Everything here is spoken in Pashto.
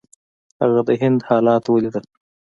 هغه د هند حالات ولیکل.